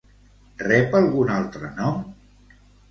Rep algun altre nom?